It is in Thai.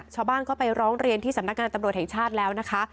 ชาวบ้านก็ไปร้องเรียนที่สำนักงานตำรวจแห่งชาติแล้วนะคะ